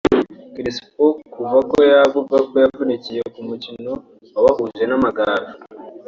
Crespo yavuze ko kuva yavunikira ku mukino wabahuje n’Amagaju